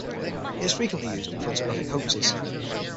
It is frequently used in photographic hoaxes.